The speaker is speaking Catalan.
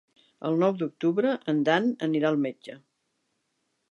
El nou d'octubre en Dan anirà al metge.